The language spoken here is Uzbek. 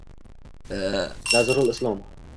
Nazrul Islom